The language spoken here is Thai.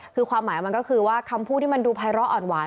คือความหมายมันก็คือว่าคำพูดที่มันดูภัยร้ออ่อนหวาน